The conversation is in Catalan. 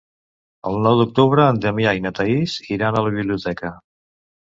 El nou d'octubre en Damià i na Thaís iran a la biblioteca.